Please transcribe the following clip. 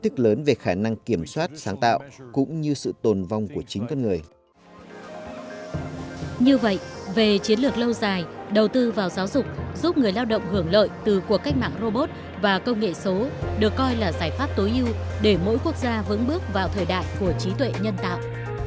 như vậy về chiến lược lâu dài đầu tư vào giáo dục giúp người lao động hưởng lợi từ cuộc cách mạng robot và công nghệ số được coi là giải pháp tối ưu để mỗi quốc gia vững bước vào thời đại của trí tuệ nhân tạo